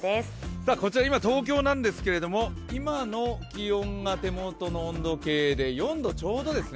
東京なんですけれども、今の気温が手元の温度計で４度ちょうどですね